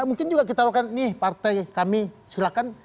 mungkin juga kita lakukan nih partai kami silakan